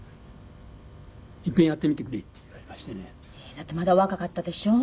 だってまだお若かったでしょ？